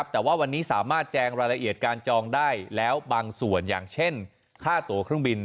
แต่ว่าวันนี้สามารถแจงรายละเอียดการจองได้แล้วบางส่วนอย่างเช่นค่าตัวเครื่องบิน